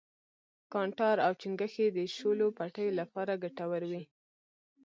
کانټار او چنگښې د شولو پټیو لپاره گټور وي.